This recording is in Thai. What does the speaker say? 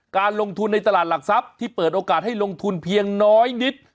การลงทุนในตลาดหลักทรัพย์ที่เปิดโอกาสให้ลงทุนเพียงน้อยนิด